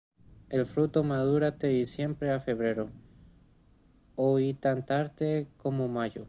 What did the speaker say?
El fruto madura de diciembre a febrero, o y tan tarde como mayo.